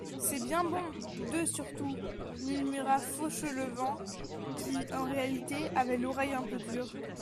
C'est bien bon, deux surtout, murmura Fauchelevent, qui, en réalité, avait l'oreille un peu dure.